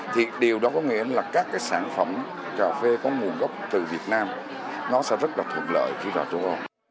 thì điều đó có nghĩa là các cái sản phẩm cà phê có nguồn gốc từ việt nam nó sẽ rất là thuận lợi khi vào châu âu